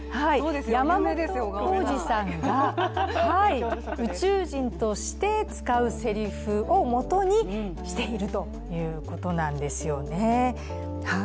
山本耕史さんが宇宙人として使うせりふをもとにしているということなんですよね。